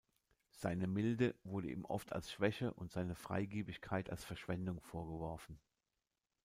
Seine Milde wurde ihm oft als Schwäche und seine Freigiebigkeit als Verschwendung vorgeworfen.